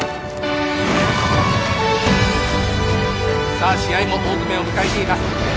さあ試合も大詰めを迎えています